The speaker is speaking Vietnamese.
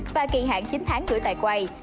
và kỳ hạn chín tháng gửi tại quầy